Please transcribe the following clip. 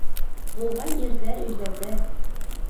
Булған ирҙәр өйләнгән.